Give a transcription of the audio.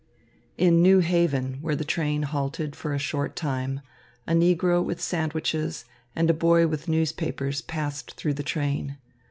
In New Haven, where the train halted for a short time, a negro with sandwiches and a boy with newspapers passed through the train.